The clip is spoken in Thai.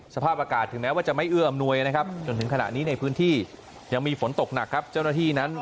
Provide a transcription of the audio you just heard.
สภาพอากาศถึงแม้ว่าจะไม่เอื้ออำนวยนะครับจนถึงขณะนี้ในพื้นที่ยังมีฝนตกหนักครับเจ้าหน้าที่นั้น